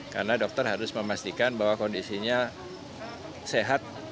karena dokter harus memastikan bahwa kondisinya sehat